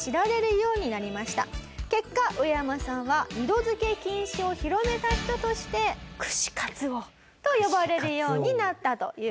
結果ウエヤマさんは二度づけ禁止を広めた人として串かつ王と呼ばれるようになったという事なんです。